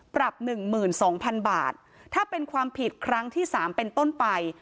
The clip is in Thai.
ปรับหนึ่งหมื่นสองพันบาทถ้าเป็นความผิดครั้งที่๓เป็นต้นไป